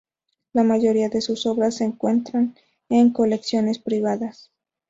La mayoría de sus obras se encuentran en colecciones privadas.